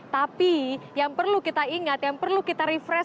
tapi yang perlu kita ingat yang perlu kita refresh